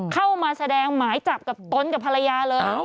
เข้ามาแสดงหมายจับกับตนกับภรรยาเลย